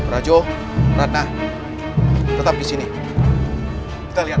raju ratna tetap di sini kita lihat